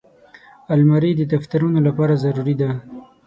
الماري د دفترونو لپاره ضروري ده